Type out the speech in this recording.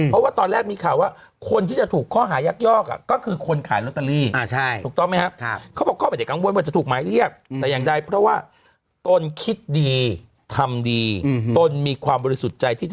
เพราะว่าตอนแรกมีข่าวว่า